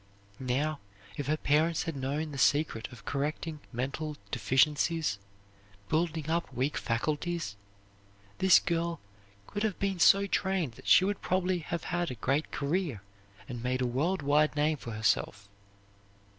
Now, if her parents had known the secret of correcting mental deficiencies, building up weak faculties, this girl could have been so trained that she would probably have had a great career and made a world wide name for herself.